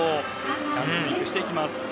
チャンスメイクしていきます。